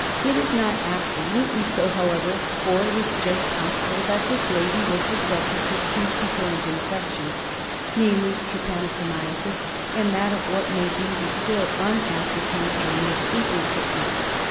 It is not absolutely so, however, for it is just possible that this lady was the subject of two concurrent infections, namely trypanosomiasis and that of what may be the still unascertained germ of Sleeping Sickness.